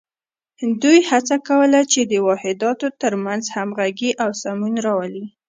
دوی هڅه کوله چې د واحداتو تر منځ همغږي او سمون راولي.